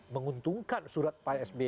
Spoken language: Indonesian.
menguntungkan surat pak sby